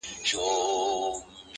اوس مي لا په هر رگ كي خـوره نـــه ده;